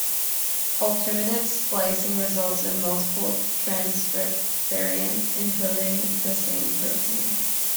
Alternative splicing results in multiple transcript variants encoding the same protein.